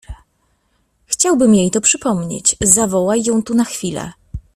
Chciałbym jej to przypomnieć… zawołaj ją tu na chwilę!